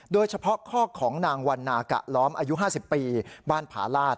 โดยเฉพาะข้อของนางวันนากะล้อมอายุ๕๐ปีบ้านผาลาศ